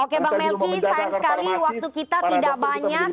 oke bang melki sayang sekali waktu kita tidak banyak